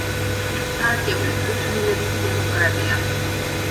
პარტიული კუთვნილებით დემოკრატია.